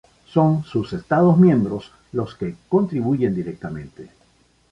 Son sus Estados miembros los que contribuyen directamente.